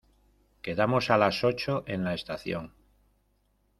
Quedamos a las ocho en la estación.